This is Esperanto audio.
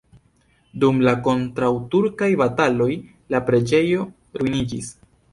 Dum la kontraŭturkaj bataloj la preĝejo ruiniĝis.